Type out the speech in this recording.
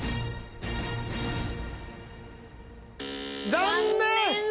残念！